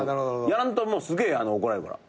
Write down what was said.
やらんとすげえ怒られるから。